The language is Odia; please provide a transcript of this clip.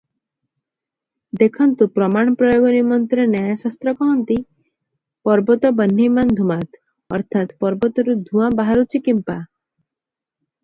ଦେଖନ୍ତୁ ପ୍ରମାଣ ପ୍ରୟୋଗ ନିମନ୍ତେ ନ୍ୟାୟଶାସ୍ତ୍ର କହନ୍ତି, "ପର୍ବତୋବହ୍ନିମାନ୍ ଧୂମାତ୍" ଅର୍ଥାତ୍ ପର୍ବତରୁ ଧୂଆଁ ବାହାରୁଛି କିପାଁ?